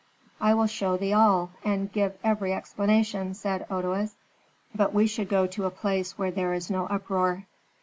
"I will show thee all, and give every explanation," said Otoes. "But we should go to a place where there is no uproar."